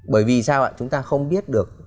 bởi vì sao ạ chúng ta không biết được